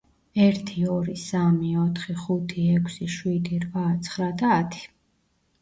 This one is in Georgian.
ერთი, ორი, სამი, ოთხი, ხუთი, ექვსი, შვიდი, რვა, ცხრა და ათი.